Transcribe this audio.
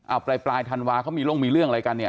เอาปลายธันวาเขามีร่มมีเรื่องอะไรกันเนี่ย